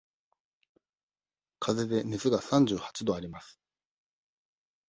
かぜで熱が三十八度あります。